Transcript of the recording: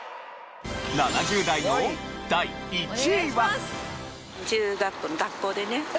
７０代の第１位は。